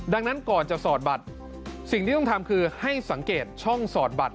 ดังนั้นก่อนจะสอดบัตรสิ่งที่ต้องทำคือให้สังเกตช่องสอดบัตร